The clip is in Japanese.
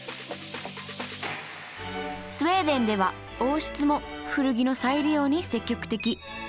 スウェーデンでは王室も古着の再利用に積極的。